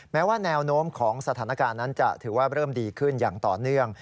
แม้ว่าแนวโน้มของสถานการณ์นั้นจะถือว่าเริ่มดีขึ้นอย่างต่อเนื่อง